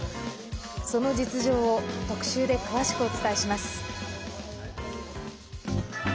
その実情を特集で詳しくお伝えします。